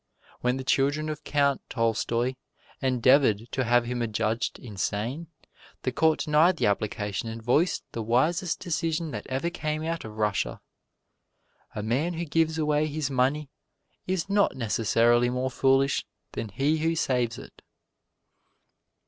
When the children of Count Tolstoy endeavored to have him adjudged insane, the Court denied the application and voiced the wisest decision that ever came out of Russia: A man who gives away his money is not necessarily more foolish than he who saves it.